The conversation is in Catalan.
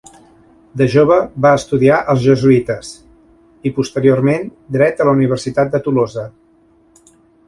De jove va estudiar als jesuïtes, i posteriorment dret a la Universitat de Tolosa.